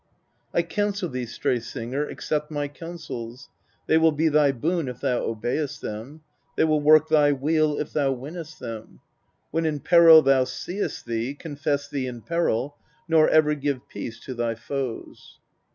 I counsel thee, Stray Singer, accept my counsels, they will be thy boon if thou obey'st them, they will work thy weal if thou win'st them : when in peril thou seest thee, confess thee in peril, nor ever give peace to thy foes.